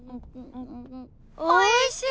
おいしい！